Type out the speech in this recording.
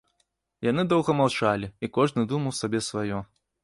Яны доўга маўчалі, і кожны думаў сабе сваё.